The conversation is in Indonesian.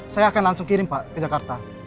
saya akan langsung kirim pak ke jakarta